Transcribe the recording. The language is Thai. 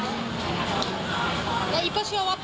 นั่นคือสิ่งยิ่งใหญ่ที่สุดที่พ่อให้เรา